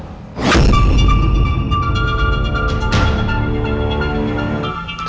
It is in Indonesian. tidak ada keracunan